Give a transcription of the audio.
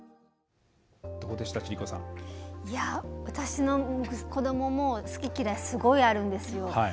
私の子どもも好き嫌いすごいあるんですよ。